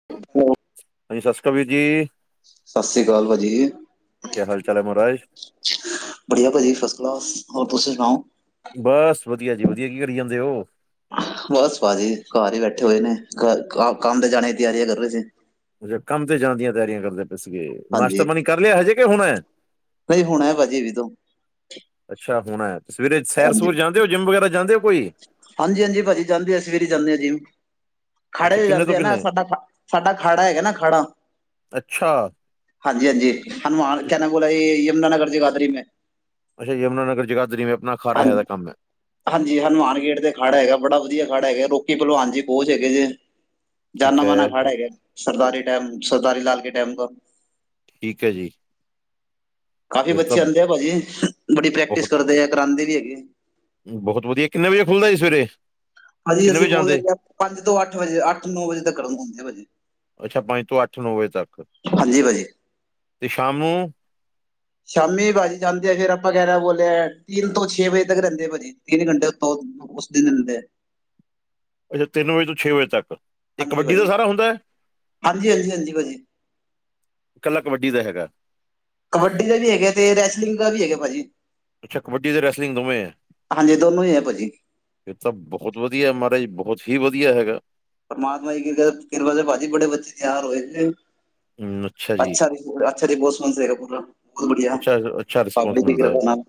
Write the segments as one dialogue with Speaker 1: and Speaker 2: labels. Speaker 1: [unintelligible]
Speaker 2: ਹਾਂਜੀ, ਸਸੀ ਕਾਲ ਵੀਰ ਜੀ।
Speaker 1: ਸਸ ਸੀ ਕਾਲ ਭਾ ਜੀ।
Speaker 2: ਕਿਆ ਹਾਲ -ਚਾਲ ਐ ਮਹਾਰਾਜ?
Speaker 1: ਵਦੀਆ ਭਾਜੀ ਫਸ- ਕਲਾਸ ਹੋਰ ਤੁਸੀਂ ਸੁਨਾਓ?
Speaker 2: ਬ਼ਸ ਵਧੀਆ ਜੀ ਵਧੀਆ, ਕੀ ਕਰੀ ਜਾਂਦੇ ਓ?
Speaker 1: ਬਸ ਭਾਜੀ ਘਰ ਈ ਬੈਠੇ ਹੋਏ ਨੇ, ਕ ਕਾਮ ਕੰਮ ਤੇ ਜਾਨੇ ਦੀ ਤੇਆਰੀਆਂ ਕਰ ਰਏ ਸੀ।
Speaker 2: ਅੱਛਾ ਕੰਮ ਤੇ ਜਾਨ ਦੀਆਂ ਤੇਆਰੀਆਂ ਕਰਦੇ ਪਏ ਸੀਗੇ, ਨਾਸ਼ਤਾ-ਪਾਨੀ ਕਰ ਲੇਆ ਹਜੇ ਕਿ ਹੋਨੈ?
Speaker 1: ਨਈਂ ਹੋਨੈ ਭਾਜੀ ਅਬੀ ਤੋ
Speaker 2: ਅੱਛਾ ਹੋਨੈ, ਸਵੇਰੇ ਸੈਰ- ਸੂਰ ਜਾਂਦੇ ਓ, ਜਿੰਮ ਵਗੈਰਾ ਜਾਂਦੇ ਓ ਕੋਈ?
Speaker 1: ਹਾਂਜੀ-ਹਾਂਜੀ, ਭਾਜੀ ਜਾਂਦੇ ਐ, ਸਵੇਰੇ ਜਾਂਨੇ ਆ ਜਿੰਮ ਖਾੜੇ
Speaker 2: ਅੱਛਾ
Speaker 1: ਤੇ
Speaker 2: ਕਿੰਨੇ
Speaker 1: ਜਾਂਦੇ
Speaker 2: ਤੋਂ
Speaker 1: ਐ ਨਾ,
Speaker 2: ਕਿੰਨੇ
Speaker 1: ਸਾਡਾ ਖਾ ਸਾਡਾ ਖਾੜਾ ਹੈਗੈ ਨਾ ਖਾੜਾ
Speaker 2: ਅੱਛਾ
Speaker 1: ਹਾਂਜੀ- ਹਾਂਜੀ ਹਨੂੰਮਾਨ
Speaker 2: ਤੇ-
Speaker 1: ਕਿੰਨਾਂ ਬੋਲਾ ਏ ਯਮੁਨਾਨਗਰ ਜਗਾਧਰੀ ਮੈਂ
Speaker 2: ਅੱਛਾ, ਯਮੁਨਾਨਗਰ, ਜਗਾਧਰੀ ਮੇਂ ਆਪਨਾ ਖਾੜਾ ਹੈਗਾ ਕੰਮ ਆ
Speaker 1: ਹਾਂਜੀ, ਹਨੂਮਾਨ ਗੇਟ ਤੇ ਖਾੜਾ ਹੈਗਾ, ਬੜਾ ਵਧੀਆ ਖਾੜਾ ਹੈਗਾ ਰੋਕੀ ਭਲਵਾਨ ਜੀ ਕੋਚ ਹੈਗੇ ਜੇ
Speaker 2: ਠੀਕ
Speaker 1: ਜਾਨਾ ਮਾਨਾ
Speaker 2: ਹੈ
Speaker 1: ਖਾੜਾ ਹੈਗਾ ਸਰਦਾਰੀ ਟੈਮ, ਸਰਦਾਰੀ ਲਾਲ ਕੇ ਟੈਮ ਕਾ
Speaker 2: ਠੀਕ ਐ ਜੀ।
Speaker 1: ਕਾਫੀ
Speaker 2: ਫਿਰ ਤਾਂ
Speaker 1: ਬੱਚੇ ਆਂਦੇ ਆ ਭਾਜੀ ਬੜੀ ਪ੍ਰੈਕਟਿਸ ਕਰਦੇ ਐ ਕਰਾਂਦੇ ਵੀ ਹੈਗੇ
Speaker 2: ਬੋਹਤ ਵਦੀਆ, ਕਿੰਨੇ ਵਜੇ ਖੁੱਲਦਾ ਜੀ ਸਵੇਰੇ?
Speaker 1: ਹਾਂਜੀ
Speaker 2: ਕਿੰਨੇ
Speaker 1: ਅਸੀਂ
Speaker 2: ਵਜੇ
Speaker 1: ਖੋਲ
Speaker 2: ਜਾਂਦੇ
Speaker 1: ਦੇੰਦੇ ਆਂ ਪੰਜ ਤੋਂ ਅੱਠ ਵਜੇ, ਅੱਠ-ਨੌ ਵਜੇ ਤੱਕ ਕਰਦੇ ਹੁੰਦੇ ਆ ਭਾਜੀ
Speaker 2: ਅੱਛਾ, ਪੰਜ ਤੋਂ ਅੱਠ- ਨੌ ਵਜੇ ਤੱਕ?
Speaker 1: ਹਾਂਜੀ ਭਾਜੀ।
Speaker 2: ਤੇ ਸ਼ਾਮੂ
Speaker 1: ਸ਼ਾਮੀ ਭਾਜੀ ਜਾਂਦੇ ਆ, ਫੇਰ ਆਪਾਂ ਕੇਹ ਰਹਾ ਬੋਲੇਆ ਤਿੰਨ ਤੋਂ ਛੇ ਵਜੇ ਤੱਕ ਆ ਰੈਂਦੇ ਆ ਭਾਜੀ ਤਿੰਨ ਘੰਟੇ ਉੱਤੋਂ ਓਸ ਦਿਨ ਹੁੰਦੈ
Speaker 2: ਅੱਛਾ ਤਿੰਨ ਵਜੇ ਤੋਂ ਛੇ ਵਜੇ ਤੱਕ, ਏ ਕਬੱਡੀ ਦਾ ਸਾਰਾ ਹੁੰਦਾ।
Speaker 1: ਹਾਂਜੀ-ਹਾਂਜੀ-ਹਾਂਜੀ ਭਾਜੀ।
Speaker 2: ਕੱਲਾ ਕਬੱਡੀ ਦਾ ਹੈਗਾ।
Speaker 1: ਕਬੱਡੀ ਦਾ ਵੀ ਹੈਗਾ ਤੇ ਰੈਸਲਿੰਗ ਦਾ ਵੀ ਹੈਗਾ ਭਾਜੀ।
Speaker 2: ਅੱਛਾ ਕਬੱਡੀ ਤੇ ਰੈਸਲਿੰਗ ਦੋਵੇਂ ਐਂ।
Speaker 1: ਹਾਂਜੀ ਦੋਨੋਂ ਹੀ ਹੈ ਭਾਜੀ
Speaker 2: ਫੇਰ ਤਾਂ ਬਹੋਤ ਵਦੀਆ ਮਹਾਰਾਜ ਬਹੋਤ ਹੀ ਵਦੀਆ ਹੈਗਾ।
Speaker 1: ਪਰਮਾਤਮਾ ਦੀ ਕਿਰ ਕਿਰਪਾ ਨਾਲ ਭਾਜੀ ਬੜੇ ਬੱਚੇ ਤਿਆਰ ਹੋਏ ਸੀਗੇ। ਅੱਛਾ ਜੀ ਅੱਛਾ ਜੀ ਬੋਤ ਸੋਨਾ ਸਵੇਰੇ ਪੂਰਾ ਬੋਤ ਵਦੀਆ
Speaker 2: ਅੱਛਾ
Speaker 1: ਪਾਬੀ ਦੀ ਕਿਰਪਾ ਨਾਲ।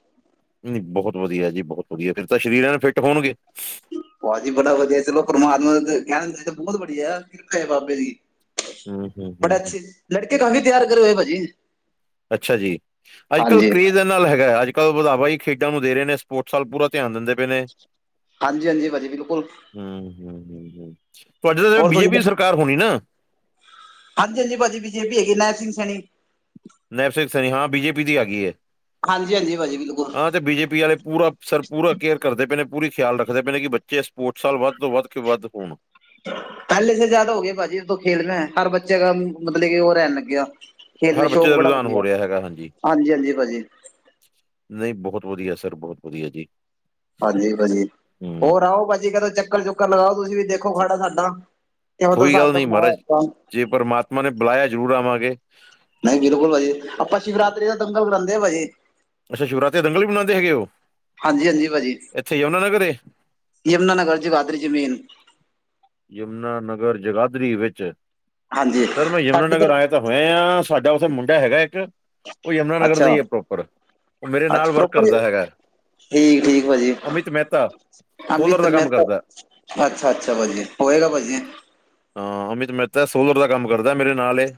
Speaker 2: ਨਈਂ ਬਹੋਤ ਵਦੀਆ ਜੀ, ਬਹੋਤ ਵਦੀਆ ਜੀ ਫੇਰ ਤਾਂ ਸਰੀਰ ਐਨ ਫਿਟ ਹੋਨਗੇ।
Speaker 1: ਭਾਜੀ ਬੜਾ ਵਦੀਆ, ਚਲੋ ਪਰਮਾਤਮਾ ਦਾ ਗੈਨਾ ਤਾਂ ਬਹੋਤ ਵਦੀਆ ਕਿਰਪਾ ਏ ਬਾਬੇ ਦੀ।
Speaker 2: ਹਮ, ਹਮ, ਹਮ,
Speaker 1: ਬੜਾ
Speaker 2: ਹਮ।
Speaker 1: ਅੱਛੇ ਲੜਕੇ ਕਾਫੀ ਤਿਆਰ ਕਰੇ ਹੋਏ ਭਾਜੀ।
Speaker 2: ਅੱਛਾ ਜੀ, ਅੱਜ-ਕੱਲ
Speaker 1: ਹਾਂਜੀ
Speaker 2: ਕਰੇਜ਼ ਏਦੇ ਨਾਲ ਹੈਗਾ, ਅੱਜ-ਕੱਲ ਵਦਾਵਾ ਈ ਖੇਡਾਂ ਨੂੰ ਦੇ ਰਏ ਨੇ। ਸਪੋਟਸ ਵੱਲ ਪੂਰਾ ਧਿਆਨ ਦਿੰਦੇ ਪਏ ਨੇ।
Speaker 1: ਹਾਂਜੀ-ਹਾਂਜੀ ਭਾਅ ਜੀ ਬਿਲਕੁਲ।
Speaker 2: ਹੂੰ-ਹੂੰ-ਹੂੰ-ਹੂੰ, ਤੁਆਡੇ ਤਾਂ ਫਿਰ ਬੀਜੇਪੀ ਦੀ ਸਰਕਾਰ ਹੋਨੀ ਨਾ।
Speaker 1: ਹਾਂਜੀ-ਹਾਂਜੀ ਭਾਜੀ ਬੀਜੇਪੀ ਹੈਗੀ ਨਹਿਰ ਸਿੰਘ ਸੈਣੀ।
Speaker 2: ਨਹਿਰ ਸਿੰਘ ਸੈਣੀ ਹਾਂ ਬੀਜੇਪੀ ਦੀ ਆਗੀ ਐ,
Speaker 1: ਹਾਂਜੀ ਹਾਂਜੀ ਭਾਜੀ ਬਿਲਕੁਲ
Speaker 2: ਹਾਂ ਤੇ ਬੀਜੇਪੀ ਆਲੇ ਪੂਰਾ ਸਰ ਪੂਰਾ ਕੇਅਰ ਕਰਦੇ ਪਏ ਨੇ ਪੂਰੀ ਖਿਆਲ ਰੱਖਦੇ ਪਏ ਨੇ ਕੀ ਬੱਚੇ ਸਪੋਟਸ ਵੱਲ ਵੱਦ ਤੋਂ ਵੱਦ-ਵੱਦ ਕੇ ਹੋਨ
Speaker 1: ਪੈਲੇ ਸੇ ਜਾਦਾ ਹੋ ਗਿਆ ਭਾਜੀ ਖੇਲਨਾ ਐ ਮੇ ਹਰ ਬੱਚੇ ਕਾ ਮਤਲਬ ਕੇ ਓ ਰੈਨ ਲੱਗੇਆ। ਖੇਲ
Speaker 2: ਹਰ
Speaker 1: ਮੇਂ
Speaker 2: ਬੱਚੇ
Speaker 1: ਸ਼ੌਕ
Speaker 2: ਦਾ
Speaker 1: ਬੜਾ
Speaker 2: ਰੁਝਾਨ
Speaker 1: ਵਦੀਆ,
Speaker 2: ਹੋ ਰਿਹਾ
Speaker 1: ਹਾਂਜੀ-ਹਾਂਜੀ ਭਾਜੀ।
Speaker 2: ਨਈਂ ਬਹੋਤ ਵਦੀਆ ਸਰ ਬਹੋਤ ਵਦੀਆ ਜੀ।
Speaker 1: ਹਾਂਜੀ ਭਾਜੀ,
Speaker 2: ਹੂੰ
Speaker 1: ਹੋਰ ਆਓ ਭਾਜੀ ਕਦੋ ਚੱਕਰ-ਚੁੱਕਰ ਲਗਾਓ ਤੁਸੀਂ ਵੀ ਦੇਖੋ ਖਾੜਾ ਸਾਡਾ ਇਹੋ ਤਾਂ
Speaker 2: ਕੋਈ
Speaker 1: ਹਿਸਾਬ
Speaker 2: ਗੱਲ
Speaker 1: ਦਾ
Speaker 2: ਨੀ
Speaker 1: ਬਣਾਇਆ ਹੋਇਆ
Speaker 2: ਮਾਰਾਜ,
Speaker 1: ਆਪਾਂ
Speaker 2: ਜੇ ਪਰਮਾਤਮਾ ਨੇ ਬੁਲਾਇਆ ਜ਼ਰੂਰ ਆਵਾਂਗੇ।
Speaker 1: ਨਈਂ ਬਿਲਕੁਲ ਭਾਜੀ, ਆਪਾਂ ਸ਼ਿਵਰਾਤਰੀ ਦਾ ਦੰਗਲ ਕਰਾਂਦੇ ਆਂ ਭਾਜੀ।
Speaker 2: ਅੱਛਾ ਸ਼ਿਵਰਾਤਰੀ ਤੇ ਦੰਗਲ ਵੀ ਬਨਾਂਦੇ ਹੈਗੇ ਓ।
Speaker 1: ਹਾਂਜੀ-ਹਾਂਜੀ ਭਾਜੀ,
Speaker 2: ਏ
Speaker 1: ਯਮੁਨਾਨਗਰ ਜਗਾਦਰੀ ਚ ਮੇਨ।
Speaker 2: ਯਮੁਨਾਨਗਰ ਜਗਾਦਰੀ ਵਿੱਚ
Speaker 1: ਹਾਂਜੀ
Speaker 2: ਸਰ ਮੈਂ
Speaker 1: ਸਾਡੇ
Speaker 2: ਯਮੁਨਾਨਗਰ
Speaker 1: ਇਧਰ
Speaker 2: ਆਏਆਂ ਤਾਂ ਹੋਇਆ ਹਾਂ ਸਾਡਾ ਓਥੇ ਮੁੰਡਾ ਹੈਗਾ ਇੱਕ ਓ ਯਮੁਨਾਨਗਰ ਦਾ
Speaker 1: ਅੱਛਾ
Speaker 2: ਈ ਐ ਪ੍ਰੋਪਰ। ਉਹ ਮੇਰੇ ਨਾਲ
Speaker 1: ਅੱਛਾ
Speaker 2: ਵਰਕ
Speaker 1: ਪ੍ਰੋਪਰ,
Speaker 2: ਕਰਦਾ ਹੈਗਾ
Speaker 1: ਠੀਕ-ਠੀਕ ਭਾਜੀ।
Speaker 2: ਅਮਿਤ ਮਹਿਤਾ ਸੋਲਰ
Speaker 1: ਅਮਿਤ
Speaker 2: ਦਾ
Speaker 1: ਮੇ
Speaker 2: ਕੰਮ
Speaker 1: ਤੋ,
Speaker 2: ਕਰਦਾ
Speaker 1: ਅੱਛਾ-ਅੱਛਾ ਭਾਜੀ ਹੋਏਗਾ ਭਾਜੀ।
Speaker 2: ਹਾਂ ਅਮਿਤ ਮੈਤਾ ਸੋਲਰ ਦਾ ਕੰਮ ਕਰਦਾ ਮੇਰੇ ਨਾਲ ਏ।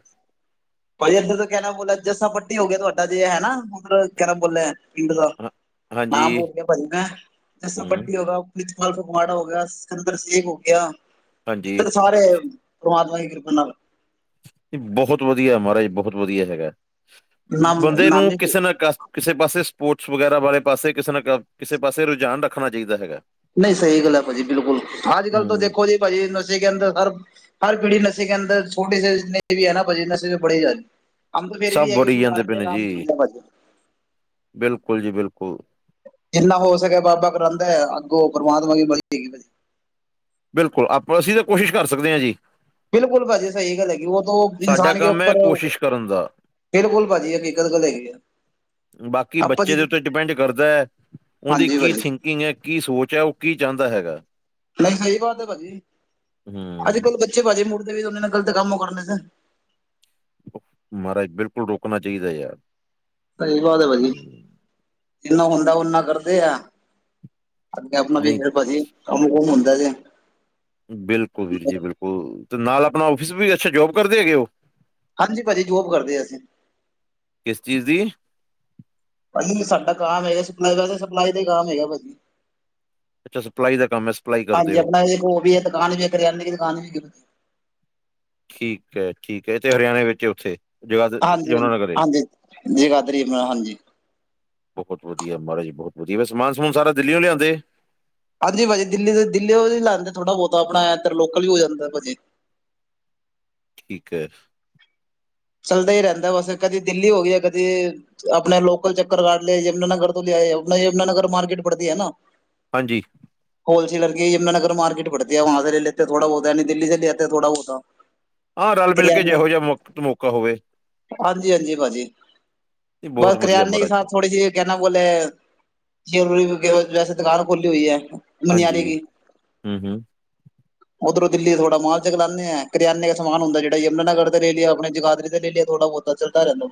Speaker 1: ਭਾਜੀ ਏਥੇ ਤਾਂ ਕੈਨਾ ਬੋਲੇ ਜੱਸਾ ਪੱਟੀ ਹੋ ਗੇਆ ਤੁਆਡਾ ਜੇ ਹੈ ਨਾ ਮਤਲਬ ਕੇ ਨਾਮ ਬੋਲੇਂ ਪਿੰਗਲਾ,
Speaker 2: ਹਾਂ- ਹਾਂਜੀ
Speaker 1: ਨਾਮ [unintelligible] ਜੱਸਾ
Speaker 2: ਹੂੰ
Speaker 1: ਪੱਟੀ ਹੋਗਾ। ਤਾਲ ਫਗਵਾੜਾ ਹੋ ਗਿਆ ਸੰਦਰ ਸੇਬ ਹੋ ਗਿਆ,
Speaker 2: ਹਾਂਜੀ
Speaker 1: ਅੰਦਰ ਸਾਰੇ ਪਰਮਾਤਮਾ ਦੀ ਕਿਰਪਾ ਨਾਲ
Speaker 2: ਬਹੋਤ ਵਦੀਆ ਹੈਗਾ ਮਾਰਾਜ ਬਹੋਤ ਵਦੀਆ ਹੈਗਾ,
Speaker 1: ਨਾਮ
Speaker 2: ਬੰਦੇ ਨੂੰ
Speaker 1: ਨਾਮੀ
Speaker 2: ਕਿਸੇ ਨਾ ਕਸ਼ਟ ਕਿਸੇ ਪਾਸੇ ਸਪੋਟਸ ਵਗੈਰਾ ਵਾਲੇ ਪਾਸੇ ਕਿਸੇ ਨਾ ਕਿਸੇ ਪਾਸੇ ਰੁਝਾਨ ਰੱਖਨਾ ਚਾਈਦਾ ਹੈਗਾ।
Speaker 1: ਨਈਂ ਸਈ ਗੱਲ ਐ ਭਾਜੀ ਬਿਲਕੁਲ ਅੱਜ-ਕੱਲ ਤਾਂ
Speaker 2: ਹੂੰ
Speaker 1: ਦੇਖੋ ਜੀ ਭਾਜੀ ਨਸ਼ੇ ਕੇ ਅੰਦਰ ਹਰ ਪੀੜੀ ਨਸ਼ੇ ਕੇ ਅੰਦਰ ਛੋਟੇ ਸੇ ਜਿਤਨੇ ਬੀ ਐ ਨਾ ਨਸੇ ਮੇ ਪੜੇ ਜਾ ਰਏਂ ਹਮ ਤੋ ਫੇਰ
Speaker 2: ਸਭ
Speaker 1: ਵੀ ਐ ਕੇ
Speaker 2: ਬੜੀ ਜਾਂਦੇ
Speaker 1: ਸੁਧਾਰ
Speaker 2: ਪਏ
Speaker 1: ਨੇ ਕਾਮ ਕਰ
Speaker 2: ਜੀ
Speaker 1: ਰਏ ਆ ਭਾਜੀ।
Speaker 2: ਬਿਲਕੁਲ ਜੀ ਬਿਲਕੁਲ।
Speaker 1: ਜਿਤਨਾ ਹੋ ਸਕੇ ਬਾਬਾ ਕਰੋਂਦਾ ਏ ਅੱਗੋਂ ਪਰਮਾਤਮਾ ਕੀ ਮਰਜੀ ਹੈਗੀ ਭਾਜੀ।
Speaker 2: ਬਿਲਕੁਲ ਆਪਾਂ ਅਸੀਂ ਤਾਂ ਕੋਸ਼ਿਸ਼ ਕਰ ਸਕਦੇ ਆਂ ਜੀ।
Speaker 1: ਬਿਲਕੁਲ ਭਾਜੀ ਸਈ ਗੱਲ ਹੈਗੀ ਵੋ ਤੋ
Speaker 2: ਸਾਡਾ
Speaker 1: ਇਨਸਾਨ ਕੇ
Speaker 2: ਕੰਮ ਹੈ
Speaker 1: ਉੱਪਰ
Speaker 2: ਕੋਸ਼ਿਸ਼ ਕਰਨ ਦਾ
Speaker 1: ਬਿਲਕੁਲ ਭਾਜੀ ਹਕੀਕਤ ਗੱਲ ਹੈਗੀ ਆ।
Speaker 2: ਬਾਕੀ ਬੱਚੇ ਦੇ ਉੱਤੇ ਡਿਪੈਂਡ ਕਰਦਾ ਐ ਓਦੀ
Speaker 1: ਹਾਂਜੀ
Speaker 2: ਕੀ
Speaker 1: ਭਾਜੀ
Speaker 2: ਥਿੰਕ ਕਿਂਗ ਐ, ਕੀ ਸੋਚ ਐ, ਓ ਕੀ ਚਾਓਂਦਾ ਹੈਗਾ।
Speaker 1: ਨਈ ਸਈ ਬਾਤ ਐ ਭਾਜੀ
Speaker 2: ਹੂੰ
Speaker 1: ਆੱਜ-ਕੱਲ ਬੱਚੇ ਭਾਜੀ ਮੁੜ ਦੇ ਵੀ ਓਨਾਂ ਨੇ ਗ਼ਲਤ ਕੰਮ ਕਰਨੇ ਸੇ।
Speaker 2: ਮ੍ਹਾਰਾਜ ਬਿਲਕੁਲ ਰੋਕਣਾ ਚਾਈਦਾ ਯਾਰ।
Speaker 1: ਸਈ ਬਾਤ ਆ ਭਾਜੀ
Speaker 2: ਹੂੰ,
Speaker 1: ਜਿਨ੍ਹਾਂ ਹੁੰਦਾ ਉਨਾਂ ਕਰਦੇ ਆ। ਅੱਗੇ ਅਪਨਾ
Speaker 2: ਨਹੀਂ
Speaker 1: ਵੇਖਯਾ ਪਾਜੀ ਕੰਮ-ਕੁੰਮ ਹੁੰਦਾ ਜੇ।
Speaker 2: ਬਿਲਕੁਲ ਵੀਰ ਜੀ ਬਿਲਕੁਲ ਤੇ ਨਾਲ ਅਪਨਾ ਓਫਿਸ ਵੀ ਐ, ਅੱਛਾ! ਜੋਬ ਕਰਦੇ ਹੈਗੇ ਓ?
Speaker 1: ਹਾਂਜੀ ਭਾਜੀ ਜੋਬ ਕਰਦੇ ਅਸੀਂ।
Speaker 2: ਕਿਸ ਚੀਜ਼ ਦੀ?
Speaker 1: ਭਾਜੀ ਸਾਡਾ ਕਾਮ ਐਗਾ ਸਪਲਾਈ ਦਾ ਵੈਸੇ ਸਪਲਾਈ ਦਾ ਕੰਮ ਐਗਾ ਭਾਜੀ।
Speaker 2: ਅੱਛਾ ਸਪਲਾਈ ਦਾ ਕੰਮ ਹੈ ਸਪਲਾਈ ਕਰਦੇ
Speaker 1: ਹਾਂਜੀ
Speaker 2: ਹੋ
Speaker 1: ਅਪਣਾ ਏਕ ਓ ਵੀ ਐ, ਦੁਕਾਨ ਵੀ ਕਰਿਆਨੇ ਕੀ ਦੁਕਾਨ ਵੀ ਹੈਗੀ।
Speaker 2: ਠੀਕ ਐ-ਠੀਕ ਐ ਐਤੇ ਹਰਿਆਣੇ ਵਿੱਚ ਓੱਥੇ।
Speaker 1: ਹਾਂਜੀ-ਹਾਂਜੀ, ਹਾਂਜੀ ਯਗਾਦਰੀ ਯਮਨਾ ਹਾਂਜੀ।
Speaker 2: ਬੋਹਤ ਵਦੀਆ ਮ੍ਹਾਰਾਜ ਜੀ ਫੇਰ ਸਮਾਨ ਸਮੂਨ ਸਾਰਾ ਦਿਲੀਉ ਲਿਆਂਦੇ।
Speaker 1: ਹਾਂਜੀ, ਭਾਜੀ ਦਿੱਲੀ ਦੇ ਦਿੱਲੀਓ ਵੀ ਲੈਂਦੇ ਥੋੜਾ ਬੋਤਾ ਅਪਨਾ ਐਦਰ ਲੋਕਲ ਵੀ ਹੋ ਜਾਂਦਾ ਭਾਜੀ।
Speaker 2: ਠੀਕ ਐ।
Speaker 1: ਚੱਲਦਾ ਈ ਰੈਂਦਾ ਬਸ ਕਦੀ ਦਿੱਲੀ ਹੋ ਗਿਆ ਕਦੀ ਅਪਣੇ ਲੋਕਲ ਚੱਕਰ ਕਾਟ ਲਏ, ਯਮੁਨਾਨਗਰ ਤੋਂ ਲਿਆਏ ਅਪਣੇ ਯਮੁਨਾਨਗਰ ਮਾਰਕੀਟ ਪੜਤੀ ਐਨਾ।
Speaker 2: ਹਾਂਜੀ।
Speaker 1: ਹੋਲਸੇਲਰ ਕੀ ਯਮੁਨਾਗਰ ਮਾਰਕੀਟ ਪੜਤੀ ਐ ਵਾਹਾ ਸੇ ਲੈ ਲੇਤੇ ਐ ਥੋੜਾ ਬੋਤਾ ਨਈ ਦਿਲੀ ਸੇ ਲੈ ਆਤੇ ਐ ਥੋੜਾ ਬੋਤਾ।
Speaker 2: ਆਂ ਰਲ-ਮਿਲ ਕੇ ਜਿਹੋ ਜਾ ਵਕਤ ਮੌਕਾ ਹੋਵੇ।
Speaker 1: ਹਾਂਜੀ-ਹਾਂਜੀ ਭਾਜੀ
Speaker 2: ਨਹੀਂ
Speaker 1: ਬਸ
Speaker 2: ਬਹੁਤ ਵਧੀਆ
Speaker 1: ਕਰਿਆਨੇ ਕੀ
Speaker 2: ਮਹਾਰਾਜ
Speaker 1: ਸਾਥ ਥੋੜੀ ਜੀ ਕੇ ਐਨਾ ਕੋਲ ਜਯੁਲਰੀ [unintelligible] ਵੈਸੇ ਦੁਕਾਨ ਖੁੱਲੀ ਹੋਈ ਐ। ਮੰਨਿਆਰੀ
Speaker 2: ਹਾਂਜੀ
Speaker 1: ਕੀ।
Speaker 2: ਹੂੰ ਹੂੰ
Speaker 1: ਓਦਰੋਂ ਦਿੱਲੀ ਥੋੜਾ ਮਾਲ ਚਗਲਾਨੇ ਐ, ਕਰਿਆਨੇ ਦਾ ਸਮਾਨ ਹੁੰਦਾ ਜੇੜਾ ਯਮੁਨਾਨਗਰ ਤੇ ਲੈ ਲੀਆ ਅਪਣੇ ਜਗਾ ਦਰੀ ਤੇ ਲੇ ਲਿਆ ਥੋੜਾ ਬੋਤਾ ਚੱਲਦਾ ਰੈਂਦਾ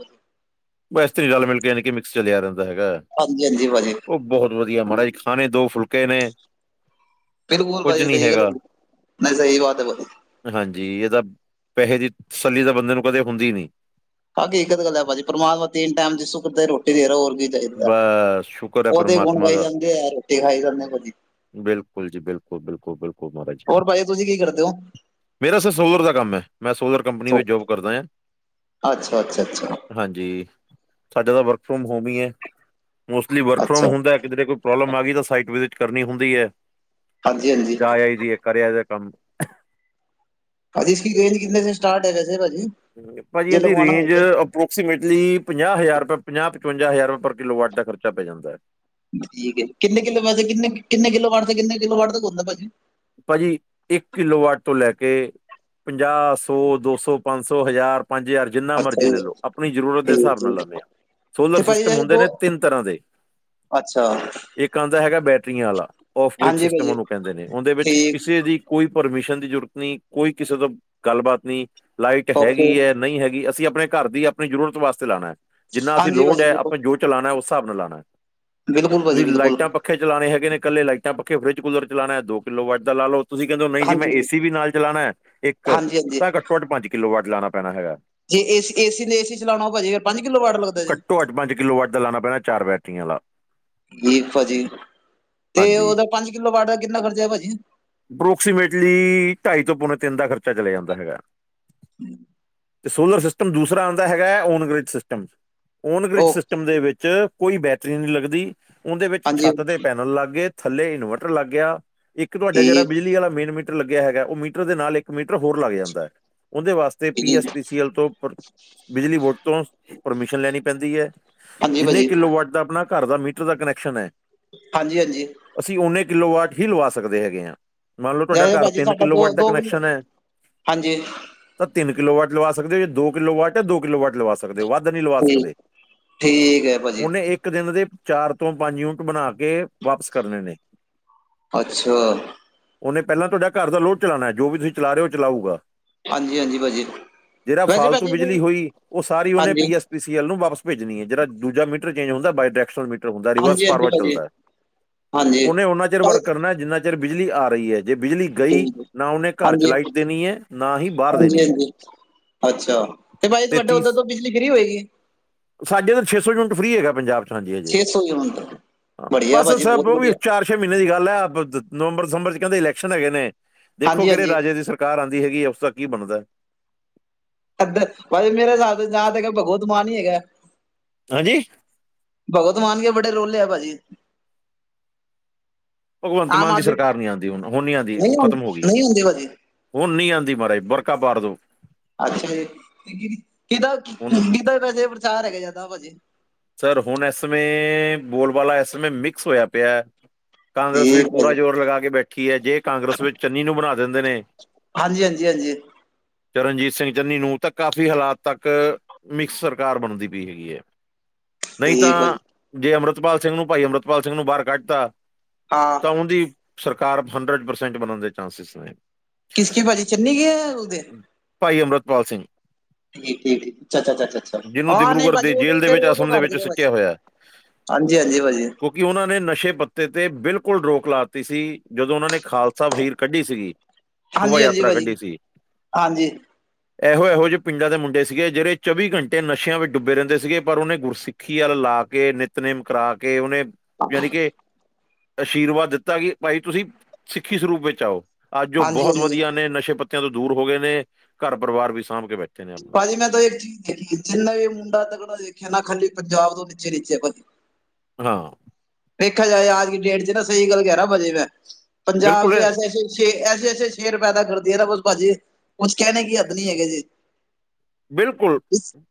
Speaker 2: ਬਸ ਐਸ ਤਰੀ ਰਲ-ਮਿਲ ਕੇ ਯਾਨੀ ਕਿ ਮਿਕਸ ਚਲਿਆ ਰੈਂਦਾ ਹੈਗਾ
Speaker 1: ਹਾਂਜੀ-ਹਾਂਜੀ ਭਾਜੀ
Speaker 2: ਓ ਬੋਹਤ ਵਦੀਆ ਮਾੜਾ ਈ ਖਾਣੇ ਦੋ ਫੁਲਕੇ ਨੇ
Speaker 1: ਬਿਲਕੁਲ
Speaker 2: ਕੁਝ
Speaker 1: ਭਾਜੀ
Speaker 2: ਨਹੀਂ
Speaker 1: ਸਈ ਗੱਲ
Speaker 2: ਹੈਗਾ
Speaker 1: ਐਗੀ ਮੈਂ ਸਈ ਬਾਤ ਐ
Speaker 2: ਹਾਂਜੀ ਐ ਤਾਂ ਪੈਹੇ ਦੀ ਤਸੱਲੀ ਤਾਂ ਬੰਦੇ ਨੂੰ ਕਦੇ ਹੁੰਦੀ ਨਈ
Speaker 1: ਹਕੀਕਤ ਗੱਲ ਐ ਭਾਜੀ ਪਰਮਾਤਮਾ ਤੀਨ ਟੈਮ ਦੀ ਸੁੱਖ ਦੇ ਰੋਟੀ ਦੇ ਰੈ ਹੋਰ ਕੀ ਦੇਖਦੈ
Speaker 2: ਬਸ ਸ਼ੁਕਰ ਹੈ
Speaker 1: ਓਦੇ ਗੁਣ
Speaker 2: ਪਰਮਾਤਮਾ
Speaker 1: ਗਾਈ
Speaker 2: ਦਾ
Speaker 1: ਜਾਂਦੇ ਆ ਰੋਟੀ ਖਾਈ ਜਾਂਦੇ ਭਾਜੀ।
Speaker 2: ਬਿਲਕੁਲ ਜੀ, ਬਿਲਕੁਲ-ਬਿਲਕੁਲ ਬਿਲ
Speaker 1: ਹੋਰ ਭਾਜੀ ਤੁਸੀਂ ਕੀ ਕਰਦੇ ਓ?
Speaker 2: ਮੇਰਾ ਸਰ ਸੋਲਰ ਦਾ ਕੰਮ ਐ ਮੈਂ ਸੋਲਰ ਕੰਪਨੀ ਵਿੱਚ ਜੋਬ ਕਰਦਾ ਆਂ।
Speaker 1: ਅੱਛਾ, ਅੱਛਾ, ਅੱਛਾ।
Speaker 2: ਹਾਂਜੀ। ਸਾਡੇ ਤਾਂ ਵਰਕ ਫਰੋਮ ਹੋਮ ਈ ਐ। ਮੋਸਟਲੀ ਵਰਕ ਫਰੋਮ
Speaker 1: ਅੱਛਾ
Speaker 2: ਹੁੰਦਾ ਕਿਦਰੇ ਕੋਈ ਪ੍ਰੋਬਲਮ ਆ ਗਈ ਤਾਂ ਸਾਈਟ ਵਿਜਿਟ ਕਰਨੀ ਹੁੰਦੀ ਐ
Speaker 1: ਹਾਂਜੀ ਹਾਂਜੀ
Speaker 2: ਜਾ ਆਈ ਦੀ ਏ ਕਰੇਆ ਦਾ ਕੰਮ
Speaker 1: ਭਾਜੀ ਇਸ ਕੀ ਰੇਂਜ ਕਿਤਨੇ ਸੇ ਸਟਾਰਟ ਐ ਵੈੇਸੇ ਭਾਜੀ?
Speaker 2: ਪਾਜੀ ਐਦੀ ਰੇਂਜ ਅਪਰੋਕਸੀਮੇਟਲੀ ਪੰਜਾਹ ਹਜ਼ਾਰ ਰੁਪਏ ਪੰਜਾਹ-ਪਚਵੰਜਾ ਹਜ਼ਾਰ ਰੁਪਏ ਪਰ ਕਿਲੋ ਵਾਟ ਦਾ ਖਰਚਾ ਪੈ ਜਾਂਦਾ ਐ
Speaker 1: ਠੀਕ ਏ ਕਿੰਨੇ ਕਿੱਲੋ ਪੈਸੇ ਕਿੰਨੇ ਨੇ ਕਿੱਲੋ ਵਾਟ ਦਾ ਨੇ ਕਿੱਲੋ ਵਾਟ ਤੱਕ ਹੁੰਦਾ ਭਾਜੀ।
Speaker 2: ਭਾਜੀ, ਇੱਕ ਕਿਲੋ ਵਟ ਤੋਂ ਲੈ ਕੇ ਪੰਜਾਹ ਸੌ ਦੋ ਸੌ ਪੰਜ ਸੌ ਹਜ਼ਾਰ ਪੰਜ ਹਜ਼ਾਰ ਜਿੰਨਾ ਮਰਜ਼ੀ
Speaker 1: ਅੱਛਾ
Speaker 2: ਲੈ
Speaker 1: ਜੀ
Speaker 2: ਲੋ, ਅਪਨੀ ਜ਼ਰੂਰਤ ਦੇ
Speaker 1: ਠੀਕ
Speaker 2: ਹਿਸਾਬ ਨਾਲ
Speaker 1: ਠੀਕ
Speaker 2: ਲੈਂਨੇ ਆਂ ਸੋਲਰ
Speaker 1: ਤੇ ਭਾਜੀ
Speaker 2: ਸਿਸਟਮ
Speaker 1: ਜੇ
Speaker 2: ਹੁੰਦੇ
Speaker 1: ਦੋ
Speaker 2: ਨੇ ਤਿੰਨ ਤਰ੍ਹਾਂ ਦੇ
Speaker 1: ਅੱਛਾ।
Speaker 2: ਇੱਕ ਆਂਦਾ ਹੈਗਾ, ਬੈਟਰੀਆਂ ਆਲਾ ਫਬ੍ਰਿਜ
Speaker 1: ਹਾਂਜੀ
Speaker 2: ਸਿਸਟਮ,
Speaker 1: ਭਾਜੀ
Speaker 2: ਔਨੂੰ ਕੈਂਦੇ ਨੇ ਉਹਦੇ ਵਿੱਚ
Speaker 1: ਠੀਕ
Speaker 2: ਕਿਸੇ ਦੀ ਕੋਈ ਪਰਮਿਸ਼ਨ ਦੀ ਜ਼ਰੂਰਤ ਨਹੀਂ ਕੋਈ ਕਿਸੇ ਤੋਂ ਗੱਲਬਾਤ ਨਹੀਂ। ਲਾਈਟ
Speaker 1: ਓਕੇ
Speaker 2: ਹੈਗੀ ਐ, ਨਹੀਂ ਹੈਗੀ, ਅਸੀਂਅਪਨੇ ਘਰ ਦੀ ਅਪਨੀ ਜ਼ਰੂਰਤ ਵਾਸਤੇ ਲਾਨਾ ਐ। ਜਿੰਨਾ ਅਸੀਂ
Speaker 1: ਹਾਂਜੀ
Speaker 2: ਲੋੜ
Speaker 1: ਭਾਜੀ
Speaker 2: ਐ
Speaker 1: ਬਿਲਕੁਲ
Speaker 2: ਜੋ ਚਲਾਨਾ ਉਸ ਹਿਸਾਬ ਲਾਨਾਐ
Speaker 1: ਬਿਲਕੁਲ ਭਾਜੀ
Speaker 2: ਤੁਸੀਂ
Speaker 1: ਬਿਲਕੁਲ
Speaker 2: ਲਾਈਟਾਂ ਪਕੀ ਪੱਖੇ ਚਲਾਨੇ ਹੈਗੇ ਇਕੱਲੇ ਲਾਈਟਾਂ ਪੱਖੇ ਫਰਿੱਜ ਦੋ ਕਿੱਲੋ ਵਾਟ ਦਾ ਲਾ‌ ਲੋ। ਤੁਸੀਂ ਕੈਂਦੇ ਔ ਨਹੀਂ ਜੀ ਮੈਂ
Speaker 1: ਹਾਂਜੀ ਭਾਜੀ,
Speaker 2: ਏਸੀ ਵੀ ਨਾਲ ਚਲਾਨਾ ਇੱਕ
Speaker 1: ਹਾਂਜੀ ਹਾਂਜੀ
Speaker 2: ਤਾਂ ਘੱਟੋ ਘੱਟ ਪੰਜ ਕਿੱਲੋ ਵਾਟ ਲਾਨਾ ਪੈਨਾ ਹੈਗਾ।
Speaker 1: ਜੇ ਏ ਏਸੀ ਨੇ ਏਸੀ ਚਲਾਨਾ ਹੋਗਾ ਜੇ ਫੇਰ ਪੰਜ ਕਿੱਲੋ ਵਾਟ ਲੱਗਦਾ ਜੇ।
Speaker 2: ਪੰਜ ਕਿੱਲੋ ਵਾਟ ਲਾਨਾ ਪੈਨਾ ਚਾਰ ਬੈਟੀਆਂ ਆਲਾ।
Speaker 1: ਨਹੀਂਭਾਜੀ ਤੇ
Speaker 2: ਹਾਂਜੀ
Speaker 1: ਔਦਾ ਪੰਜ ਕਿਲੋ ਬਾਟ ਦਾ ਕਿੰਨਾ ਖਰਚਾ ਭਾਜੀ।
Speaker 2: ਅਪਰੋਕਸੀਮੇਟਲੀ ਢਾਈ ਤੋਂ ਤਿੰਨ ਦਾ ਖਰਚਾ ਚੱਲਿਆ ਜਾਂਦਾ ਹੈਗ।
Speaker 1: ਹਮ।
Speaker 2: ਤੇ ਸੋਲਰ ਸਿਸਟਮ ਦੂਸਰਾ ਆਂਦਾ ਹੈਗਾ ਐ ਔਨਗ੍ਰਿਜ ਸਿਸਟਮ।
Speaker 1: ਓ
Speaker 2: ਔਨਗ੍ਰਿਜ ਸਿਸਟਮ ਦੇ ਵਿੱਚ ਕੋਈ ਬੈਟਰੀ ਨਹੀਂ ਲੱਗਦੀ ਔਦੇ ਵਿੱਚ
Speaker 1: ਹਾਂਜੀ
Speaker 2: ਛੱਤ ਦੇ ਪੈਨਲ ਲੱਗ ਗਏ। ਥੱਲੇ ਇਨਵਰਟਰ ਲੱਗ ਗਿਆ। ਕਿ ਤੁਹਾਡਾ ਜਿਹੜਾ
Speaker 1: ਠੀਕ
Speaker 2: ਬਿਜਲੀ ਵਾਲਾ ਮੇਨ ਮੀਟਰ ਲੱਗਿਆ ਹੈਗਾ। ਔਹ ਮੀਟਰ ਦੇ ਨਾਲ ਇੱਕ ਮੀਟਰ ਹੋਰ ਲੱਗ ਜਾਂਦਾ ਐ। ਉਹਦੇ ਵਾਸਤੇ ਤੇ
Speaker 1: ਜੀ
Speaker 2: ਪੀ-ਐਸ ਪੀਸੀਐਲ ਤੋਂ ਬਿਜਲੀ ਬੋਰਡ ਤੋਂ ਪਰਮਿਸ਼ਨ ਲੈਨੀ ਪੈਂਦੀ ਐ।
Speaker 1: ਹਾਂਜੀ
Speaker 2: ਜਿੰਨੇ
Speaker 1: ਭਾਜੀ
Speaker 2: ਕਿਲੋ ਵਾਟ ਦਾ ਅਪਨਾ ਘਰ ਦਾ ਮੀਟਰ ਦਾ ਕਨੈਕਸ਼ਨ ਐ।
Speaker 1: ਹਾਂਜੀ, ਹਂਜੀ।
Speaker 2: ਅਸੀਂ ਹੁਨੇ ਕਿੱਲੋ ਵਾਟ ਹੀ ਲਵਾ ਸਕਦੇ ਹੈਗੇ ਆਂ। ਮੰਨ ਲਉ ਤੁਹਾਡਾ
Speaker 1: ਜੇ
Speaker 2: ਘਰ
Speaker 1: ਭਾਜੀ
Speaker 2: ਤਿੰਨ
Speaker 1: ਸਾਡਾ
Speaker 2: ਕਿਲੋ ਵਾਰਟ ਦਾ
Speaker 1: ਕਿਲੋ
Speaker 2: ਕਨੈਕਸ਼ਨ ਐ।
Speaker 1: ਹਾਂਜੀ
Speaker 2: ਤਾਂ ਤਿੰਨ ਕਿਲੋ ਵਾਟ ਲਵਾ ਸਕਦੇ, ਦੋ ਕਿਲੋ ਵਟ ਹੈ, ਦੋ ਕਿੱਲੋ ਵਾਟ ਲਵਾ ਸਕਦੇ। ਸਕਦੇ ਵੱਧ ਨਹੀਂ ਲਵਾ
Speaker 1: ਠੀਕ
Speaker 2: ਸਕਦੇ
Speaker 1: ਠੀਕ ਹੈ ਭਾਜੀ
Speaker 2: ਔਨੇ ਇੱਕ ਦਿਨ ਦੇ ਚਾਰ ਤੋਂ ਪੰਜ ਯੂਨਿਟ ਬਨਾਕੇ ਵਾਪਿਸ ਕਰਨੇ ਨੇ।
Speaker 1: ਅੱਛਾ।
Speaker 2: ਔਨੇ ਪੈਲਾਂ ਤੁਹਾਡੇ ਘਰ ਦਾ ਲੋਡ ਚਲਾਨਾ। ਜੋ ਵੀ ਤੁਸੀਂ ਚਲਾ ਰਹੇ ਔ ਚਲਾਊਗਾ।
Speaker 1: ਹਾਂਜੀ ਹਾਂਜੀ ਭਾਜੀ
Speaker 2: ਜੇੜਾ
Speaker 1: ਵੈਸੇ
Speaker 2: ਫਾਲਤੂ
Speaker 1: ਭਾਜੀ
Speaker 2: ਬਿਜਲੀ
Speaker 1: ਇਹਨੂੰ
Speaker 2: ਹੋਈ ਔਹ ਸਾਰੀ ਉਹਨੇ
Speaker 1: ਹਾਂਜੀ
Speaker 2: ਪੀ ਐਸ ਪ ਅਸੀ ਯੈਹਲੋ ਨੂੰ ਵਾਪਸ ਭੇਜਨੀਏ। ਜਿਹੜਾ ਦੂਜਾ ਮੀਟਰ ਚੇਂਜ ਹੁੰਦਾ ਬਾਇ ਟੈਕਸਲ ਮੀਟਰ। ਹੁੰਦਾ ਰੀਵਰਸ
Speaker 1: ਹਾਂਜੀ ਹਾਂਜੀ
Speaker 2: ਫਾਰਬਰਡ
Speaker 1: ਭਾਜੀ
Speaker 2: ਚੱਲਦਾਐ।
Speaker 1: ਹਾਂਜੀ
Speaker 2: ਔਨੇ ਉਹਨਾਂ ਚਿਰ
Speaker 1: ਚੱਲ
Speaker 2: ਵਰਕ ਕਰਨਾ ਜਿੰਨਾ ਚਿਰ ਬਿਜਲੀ ਆ ਰਹੀ ਐ। ਜੇ ਬਿਜਲੀ ਕਈ
Speaker 1: ਠੀਕ ਹੈ।
Speaker 2: ਨਾ ਔਨੇ ਘਰ ਚ
Speaker 1: ਹਾਂਜੀ
Speaker 2: ਲਾਈਟ ਦੇਨੀਆ। ਨਾ ਈ ਬਾਰ
Speaker 1: ਹਾਂਜੀ
Speaker 2: ਦੇਨੀ ਆ।
Speaker 1: ਹਾਂਜੀ ਅੱਛਾ, ਤੇ ਭਾਈ ਤੁਹਾਡੇ ਔਧਰ ਤੋ ਬਿਜਲੀ ਫਰੀ ਹੋਏਗੀ।
Speaker 2: ਸਾਡੇ ਤਾਂ ਛੇ ਸੌ ਯੂਨਿਟ ਫਰੀ ਹੈਗਾ ਪੰਜਾਬ ' 'ਚ ਹਂਜੀ, ਹਂਜੀ
Speaker 1: ਛੇ ਸੌ ਹੀ ਹੁਣ ਤੱਕ ਬੜੀਆ
Speaker 2: ਬਸ
Speaker 1: ਭਾਜੀ ਬਹੁਤ
Speaker 2: ਸਭ ਔਹ ਵੀ
Speaker 1: ਵਧੀਆ
Speaker 2: ਚਾਰ ਛੇ ਮਹੀਨੇ ਦੀ ਗੱਲ ਏ। ਨਵੰਬਰ, ਦਸੰਬਰ ਚ ਕੈਂਦੇ ਇਲੈਕਸ਼ਨ ਹੈਗੇ ਨੇ।
Speaker 1: ਹਾਂਜੀ
Speaker 2: ਦੇਖੋਕਿਹੜੇ
Speaker 1: ਹਾਂਜੀ
Speaker 2: ਰਾਜੇ ਦੀ ਸਰ ਸਰਕਾਰ ਆਂਦੀ ਹੈਗੀ ਉਸਦਾ ਕੀ ਬਨਦੈ।
Speaker 1: ਭਾਈ ਮੇਰੇ ਹਿਸਾਬ ਤੇ ਜਾ ਤੇ ਭਗਵੰਤ ਮਾਨ ਈ ਹੈਗਾ।
Speaker 2: ਹਾਂਜੀ,
Speaker 1: ਭਗਵੰਤ ਮਾਨ ਕੇਬੜੈ ਰੋਲੇ ਐ ਭਾਜੀ।
Speaker 2: ਭਗਵੰਤ
Speaker 1: ਆਮ
Speaker 2: ਮਾਨ ਦੀ
Speaker 1: ਆਦਮੀ
Speaker 2: ਸਰਕਾਰ ਨੀ ਆਂਦੀ। ਹੁਨ ਹੁਨ ਨੀ ਆਂਦੀ
Speaker 1: ਨਹੀਂ
Speaker 2: ਔਹ ਖ਼ਤਮ ਹੋ ਗਈ।
Speaker 1: ਹੁੰਦੇ ਨਹੀਂ ਹੁੰਦੇ ਭਾਜੀ
Speaker 2: ਹੁਨ ਨੀ ਆਂਦੀ ਮਹਾਰਾਜ ਵਰਕਾ ਪਾੜ ਦੋ।
Speaker 1: ਅੱਛਾ ਜੀ, ਕੀਦਾ
Speaker 2: ਹੁਣ
Speaker 1: ਕਿੱਧਰ ਵੈਸੇ ਪ੍ਰਚਾਰ ਹੈਗਾ ਜੈਦਾ ਭਾਜੀ।
Speaker 2: ਸਰ, ਹੁਣ ਏਸ ਸਮਯ ਬੋਲ -ਬਾਲਾ ਏਸ ਸਮਯ ਮਿਕਸ ਹੋਇਆ ਪਿਆ। ਕਾਂਗਰਸ ਵੀ
Speaker 1: ਠੀਕ ਹੈ
Speaker 2: ਪੂਰਾ
Speaker 1: ਜੀ
Speaker 2: ਜ਼ੋਰ ਲਗਾ ਕੇ ਬੈਠੀ ਏ। ਜੇ ਕਾਂਗਰਸ ਵਿੱਚ ਚੰਨੀ ਨੂੰ ਬਣਾ ਦਿੰਦੇ ਨੇ।
Speaker 1: ਜੀ ਹਾਂਜੀ- ਹਾਂਜੀ -ਹਾਂਜੀ
Speaker 2: ਚਰਨਜੀਤ ਸਿੰਘ ਚੰਨੀ ਨੂੰ, ਤਾਂ ਕਾਫ਼ੀ ਹਾਲਾਤ ਤੱਕ ਮਿਕਸ ਸਰਕਾਰ ਬਣਦੀ ਪਈ ਹੈਗੀ ਏ ਨਹੀਂ ਤਾਂ
Speaker 1: ਠੀਕ ਭਾਜੀ
Speaker 2: ਜੇ ਅੰਮ੍ਰਿਤਪਾਲ ਸਿੰਘ ਨੂੰ ਭਾਈ ਅੰਮ੍ਰਿਤਪਾਲ ਸਿੰਘ ਨੂੰ ਬਾਹਰ ਕੱਢਤਾ
Speaker 1: ਹਾਂ
Speaker 2: ਤਾਂ ਉਹਦੀ ਸਰਕਾਰ ਹੰਡਰਡ ਪਰਸੈਂਟ ਬਣਨ ਦੇ ਚਾਂਸਿਜ ਨੇ।
Speaker 1: ਕਿਸ ਕੇ ਭਾਜੀ ਚੰਨੀ ਕੇ ਜਾ ਉਹਦੇ
Speaker 2: ਭਾਈ ਅੰਮ੍ਰਿਤਪਾਲ ਸਿੰਘ
Speaker 1: ਠੀਕ - ਠੀਕ ਜੀ ਚ ਚ ਚਾ ਅੱਛਾ,
Speaker 2: ਜਿਹਨੂੰ
Speaker 1: ਹਾਂ ਨਹੀਂ
Speaker 2: ਦਿਬਰੂਗੜ੍ਹ ਦੇ
Speaker 1: ਭਾਜੀ ਉਹਨੂੰ
Speaker 2: ਜੇਲ੍ਹ ਦੇ
Speaker 1: ਫਿਰ
Speaker 2: ਵਿੱਚ ਅਸਮ ਦੇ ਵਿੱਚ ਸਿੱਟਿਆ
Speaker 1: ਹਾਂਜੀ ਹਾਂਜੀ ਭਾਜੀ
Speaker 2: ਕਿ ਉਹਨਾਂ ਨੇ ਨਸ਼ੇ ਪੱਤੇ ਤੇ ਬਿਲਕੁਲ ਰੋਕ ਲਾ ਦਿੱਤੀ ਸੀ। ਜਦੋਂ ਉਹਨਾਂ ਨੇ ਖਾਲਸਾ ਵਹੀਰ ਕੱਢੀ ਸੀਗੀ। ਸ਼ੋਭਾ
Speaker 1: ਹਾਂਜੀ ਹਾਂਜੀ
Speaker 2: ਯਾਤਰਾ
Speaker 1: ਭਾਜੀ
Speaker 2: ਕੱਢੀ ਸੀ।
Speaker 1: ਹਾਂਜੀ
Speaker 2: ਇਹੋ ਇਹੋ ਜਿਹੇ ਪਿੰਡਾਂ ਦੇ ਮੁੰਡੇ ਸੀਗੇ, ਜਿਹੜੇ ਚੌਵੀ ਘੰਟੇ ਨਸ਼ਿਆਂ ਵਿੱਚ ਡੁਬੇ ਰਹਿੰਦੇ ਸੀਗੇ। ਪਰ ਉਹਨੇ ਗੁਰਸਿੱਖੀ ਵੱਲ ਲਾ ਕੇ, ਨਿਤਨੇਮ ਕਰਾ ਕੇ ਉਹਨੇ ਯਾਣੀ ਕੇ। ਆਸ਼ੀਰਵਾਦ ਦਿੱਤਾ ਕਿ ਭਾਈ ਤੁਸੀਂ ਸਿੱਖੀ ਸਰੂਪ ਵਿੱਚ ਆਓ। ਅੱਜ ਉਹ
Speaker 1: ਹਾਂਜੀ
Speaker 2: ਬਹੁਤ
Speaker 1: ਹਾਂਜੀ
Speaker 2: ਵਧੀਆ ਨੇ ਨਸ਼ੇ ਪੱਤੇ ਨਸ਼ਿਆ ਤੋਂ ਦੂਰ ਹੋ ਗਏ ਨੇ। ਘਰ ਪਰਿਵਾਰ ਵੀ ਸਾਂਭ ਕੇ ਬੈਠੇ। ਨੇ ਆਪਣਾ
Speaker 1: ਭਾਜੀ ਮੈਂ ਤਾਂ ਇੱਕ ਚੀਜ਼ ਦੇਖੀ, ਜਿੰਨਾ ਵੀ ਮੁੰਡਾ ਤਕੜਾ ਦੇਖਿਆ ਨਾ ਖਾਲੀ ਪੰਜਾਬ ਤੋਂ ਨੀਚੇ ਨੀਚੇ ਭਾਜੀ
Speaker 2: ਹਾਂ
Speaker 1: ਦੇੇਖਿਆ ਜਾਏ ਆਜ ਕੀ ਡੇਟ ਚ ਨਾ ਸਹੀ ਗੱਲ ਕਹਿਣਾ ਭਾਜੀ ਮੈਂ, ਪੰਜਾਬ
Speaker 2: ਬਿਲਕੁਲ
Speaker 1: ਚ
Speaker 2: ਇਹ-
Speaker 1: ਐਸੇੇ ਐਸੇ ਏ ਐਸੇ ਐਸੇ ਸ਼ੇਰ ਪੈਦਾ ਕਰਦੀ ਏ ਨਾ ਬਸ ਭਾਜੀ, ਕੁਝ ਕਹਿਣੇ ਕੀ ਹੱਦ ਨੀ ਹੈਗੀ ਜੀ।
Speaker 2: ਬਿਲਕੁਲ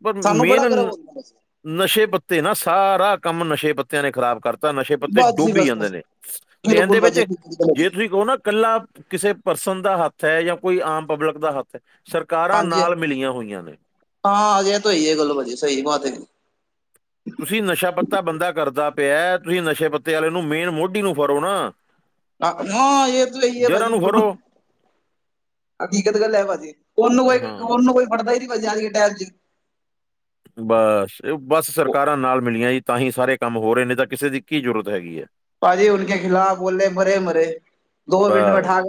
Speaker 2: ਪਰ
Speaker 1: ਸਾਨੂੰ ਬੜਾ
Speaker 2: ਮੇਨ
Speaker 1: ਗਰਵ
Speaker 2: ਲ
Speaker 1: ਹੁੰਦਾ ਬਸ
Speaker 2: ਨਸ਼ੇ ਪੱਤੇ ਨਾ, ਸਾਰਾ ਕੰਮ ਨਸ਼ੇ ਪੱਤਿਆ ਨੇ ਖ਼ਰਾਬ ਕਰ ਤਾਂ ਨਸ਼ੇ ਪੱਤੇ
Speaker 1: ਬਸ ਜੀ
Speaker 2: ਡੁੱਬ ਈ
Speaker 1: ਬਸ
Speaker 2: ਜਾਂਦੇ
Speaker 1: ਬਸ
Speaker 2: ਨੇ। ਤੇ ਇਹਦੇ ਵਿੱਚ ਜੇ ਤੁਸੀਂ ਕਹੋ ਨਾ ਇਕੱਲਾ ਕਿਸੇ ਪਰਸਨ ਦਾ ਹੱਥ ਏ ਜਾਂ ਕੋਈ ਆਮ ਪਬਲਿਕ ਦਾ ਹੱਥ ਐ, ਸਰਕਾਰਾਂ ਨਾਲ ਮਿਲੀਆਂ ਹੋਈਆਂ ਨੇ।
Speaker 1: ਹਾਂ ਜੇ ਤੋ ਹਈਏ ਗੱਲ ਭਾਜੀ ਸਹੀ ਬਾਤ ਏ।
Speaker 2: ਤੁਸੀਂ ਨਸ਼ਾ ਪੱਤਾ ਬੰਦਾ ਕਰਦਾ ਪਿਆ। ਤੁਸੀਂ ਨਸ਼ੇ ਪੱਤੇ ਆਲੇ ਨੂੰ ਮੇਨ ਮੋਢੀ ਨੂੰ ਫੜੋ ਨਾ
Speaker 1: ਹਾਂ ਇਹ ਮਤਲਬ ਜੇ
Speaker 2: ਜੜ੍ਹਾਂ
Speaker 1: ਭਾਜੀ
Speaker 2: ਨੂੰ
Speaker 1: [inaudible]
Speaker 2: ਫੜੋ
Speaker 1: ਹਕੀਕਤ ਗੱਲ ਏ ਭਾਜੀ। ਉਹਨੂੰ ਕੋਈ
Speaker 2: ਹਾਂ
Speaker 1: ਉਹਨੂੰ ਕੋਈ ਫੜਦਾ ਈ ਨੀ ਭਾਜੀ ਆਜ ਕੇ ਟਾਈਮ ਇਚ
Speaker 2: ਬ ਅਸ, ਬਸ ਸਰਕਾਰਾਂ ਨਾਲ ਮਿਲੀਆ ਤਾ ਹੀ ਸਾਰੇ ਕੰਮ ਹੋ ਰਹੇ ਆ। ਨਹੀ ਤਾ ਕਿਸੇ ਦੀ ਕੀ ਜ਼ਰੂਰਤ ਹੈਗੀ ਏ।
Speaker 1: ਭਾਜੀ ਉਨ ਕੇ ਖਿਲਾਫ਼ ਬੋਲੇ, ਪਰ ਈ ਮਰੇ ਦੋ ਮਿੰਟ
Speaker 2: ਬਸ
Speaker 1: ਉਠਾ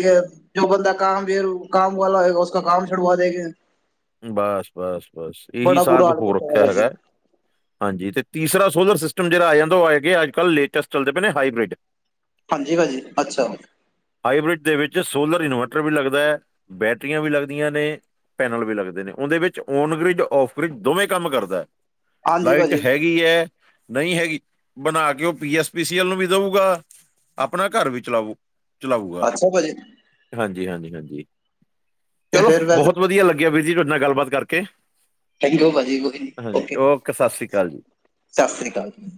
Speaker 1: ਕੇ [inaudible] ਜੋ ਬੰਦਾ ਕਾਮ ਵੇਅਰ ਵੋ ਕਮ ਵਾਲਾ ਹੋਏਗਾ ਉਸ ਕਾ ਕਾਮ ਡੁਡਵਾ ਦੇਂਗੇ।
Speaker 2: ਬਸ -ਬਸ - ਬਸ, ਇਹੀ ਸਭ ਹੋ ਰੱਖਿਆ ਹੈਗਾ। ਹਾਂਜੀ, ਤੇ ਤੀਸਰਾ ਸੋਲਰ ਸਿਸਟਮ ਜਿਹੜਾ ਆ ਜਾਂਦਾ, ਉਹ ਹੈਗੇ ਅੱਜ ਕੱਲ੍ਹ ਲੇਟੈਸਟ ਚੱਲਦੇ ਪਏ ਨੇ, ਹਾਈਬ੍ਰਿਡ। [inaudible]
Speaker 1: ਹਾਂਜੀ, ਭਾਂਜੀ ਅੱਛਾ।
Speaker 2: ਹਾਈਬ੍ਰਿਡ ਦੇ ਵਿੱਚ ਸੋਲਰ ਇਨਵੈਰਟਰ ਵੀ ਲੱਗਦਾ ਹੈ, ਬੈਟਰੀਆਂ ਵੀ ਲੱਗਦੀਆਂ ਨੇ। ਪੈਨਲ ਵੀ ਲੱਗਦਾ। ਉਹਦੇ ਵਿੱਚ ਓਨ ਗ੍ਰਿਜ, ਔਫ ਗ੍ਰਿਜ ਦੋਵੇਂ ਕੰਮ ਕਰਦਾ, ਲਾਈਟ ਹੈਗੀ ਆ ਨਹੀ ਹੈਗੀ, ਬਣਾ ਕੇ ਉਹ ਪੀ ਐਸ ਪੀ ਸੀ ਐਲ ਨੂੰ ਵੀ ਦਊਗਾ, ਆਪਣਾ ਘਰ ਵੀ ਚਲਾਉ। ਚਲਾਊਗਾ ਹਾਂਜੀ- ਹਾਂਜੀ, ਹਾਂਜੀ
Speaker 1: ਤੇ
Speaker 2: ਚਲੋ,
Speaker 1: ਫਿਰ ਵੈਸੇ
Speaker 2: ਬਹੁਤ ਵਧੀਆ ਲੱਗਿਆ। ਲੱਗਿਆ ਵੀਰ ਜੀ, ਤੁਹਾਡੇ ਨਾਲ ਗੱਲ-ਬਾਤ ਕਰਕੇ।
Speaker 1: ਥੈਂਕ ਯੂ ਭਾਂਜੀ ਕੋਈ ਨੀ,
Speaker 2: ਹਾਂਜੀ
Speaker 1: ਓਕੇ
Speaker 2: ਸਤਿ ਸ਼੍ਰੀ ਅਕਾਲ ਜੀ
Speaker 1: ਸਤਿ ਸ਼੍ਰੀ ਅਕਾਲ ਜੀ।